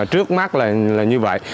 trước mắt là nhìn